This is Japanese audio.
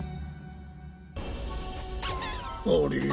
あれ？